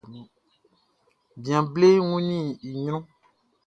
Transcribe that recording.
Bian bleʼn wunnin i ɲrunʼn.